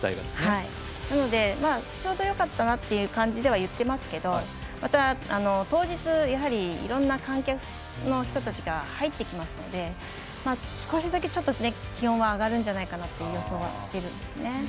なので、ちょうどよかったなという感じでは言ってますけどまた当日いろんな観客の人たちが入ってきますので少しだけ気温は上がるんじゃないかなと予想してるんですね。